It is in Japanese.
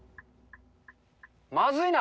まずいな。